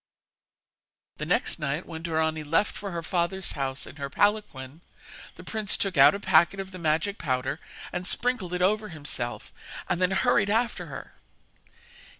The next night, when Dorani left for her father's house in her palanquin, the prince took out a packet of the magic powder and sprinkled it over himself, and then hurried after her.